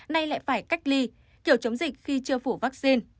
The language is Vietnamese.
nay lại phải cách ly kiểu chống dịch khi chưa phủ vaccine